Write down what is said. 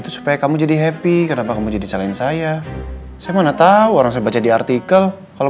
itu supaya kamu jadi happy kenapa kamu jadi salahin saya saya mana tahu orang saya baca di artikel kalau